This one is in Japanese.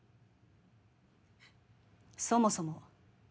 そもそも